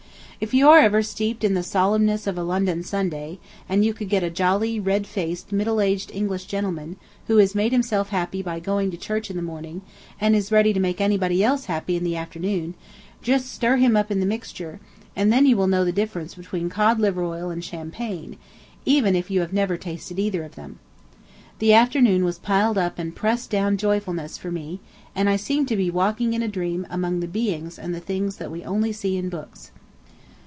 If you are ever steeped in the solemnness of a London Sunday, and you can get a jolly, red faced, middle aged English gentleman, who has made himself happy by going to church in the morning, and is ready to make anybody else happy in the afternoon, just stir him up in the mixture, and then you will know the difference between cod liver oil and champagne, even if you have never tasted either of them. The afternoon was piled up and pressed down joyfulness for me, and I seemed to be walking in a dream among the beings and the things that we only see in books.